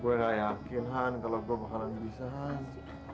gue gak yakin han kalau gue bakalan bisa hans